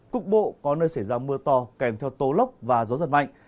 cục bộ có nơi xảy ra mưa to kèm theo tố lốc và gió giật mạnh